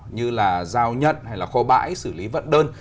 như là giao nhận hay là kho bãi xử lý vận đơn